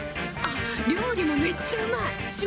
あっ料理もめっちゃうまい！